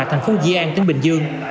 thành phố di an tỉnh bình dương